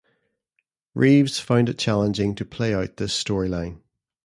Reeves found it challenging to play out this storyline.